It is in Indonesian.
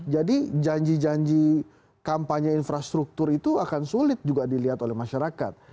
jadi janji janji kampanye infrastruktur itu akan sulit juga dilihat oleh masyarakat